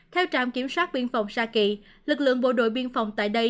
theo trạm kiểm soát biên phòng sa kỵ lực lượng bộ đội biên phòng tại đây